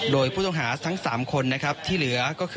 โดยผู้ต้องหาทั้ง๓คนนะครับที่เหลือก็คือ